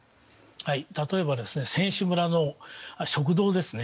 例えば、選手村の食堂ですね。